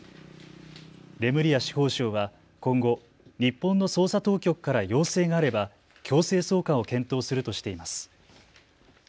レムリア司法相は今後、日本の捜査当局から要請があれば強制送還を検討するとしています。